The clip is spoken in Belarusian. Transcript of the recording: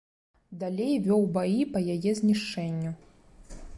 Далей вёў баі па яе знішчэнню.